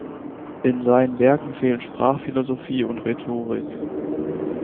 In seinen Werken fehlen Sprachphilosophie und Rhetorik.